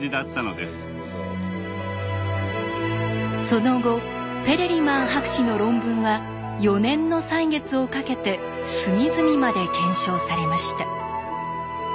その後ペレリマン博士の論文は４年の歳月をかけて隅々まで検証されました。